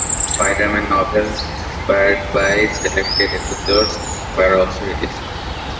Spider-Man novels inspired by selected episodes were also released.